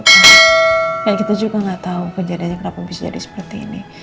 kayaknya kita juga enggak tahu kenyataannya kenapa bisa jadi seperti ini